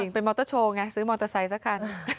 เป็นมอเตอร์โชว์ไงซื้อมอเตอร์ไซค์สักคัน